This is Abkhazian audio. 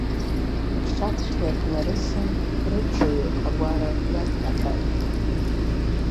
Ԥша цәгьак нарысын, рыбжаҩык агәара иаднаҳәалеит.